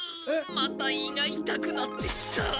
また胃がいたくなってきた。